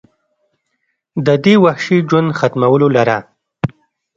د دې وحشي ژوند ختمولو لره